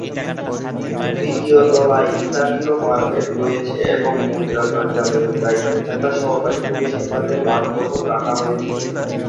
তৃতীয় তলায় ইতালীয় মার্বেল মেঝে রয়েছে এবং মুদ্রা কার্যালয়ের দায়িত্বে থাকা সহকারী কমিশনারের বাসভবন রাখা হয়েছিল।